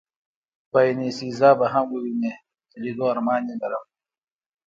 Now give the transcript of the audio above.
باینیسیزا به هم ووینې، د لېدو ارمان یې لرم.